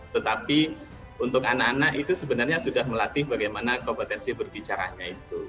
tetapi untuk anak anak itu sebenarnya sudah melatih bagaimana kompetensi berbicaranya itu